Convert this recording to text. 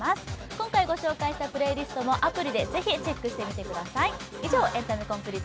今回、ご紹介したプレイリストもアプリでぜひチェックしてください。